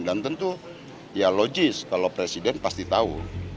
dan tentu ya logis kalau presiden pasti tahu